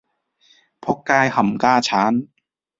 僕街冚家鏟